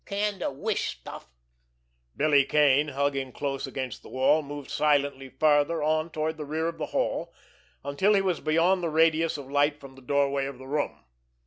Can de wish stuff!" Billy Kane, hugging close against the wall, moved silently farther on toward the rear of the hall until he was beyond the radius of light from the doorway of the room.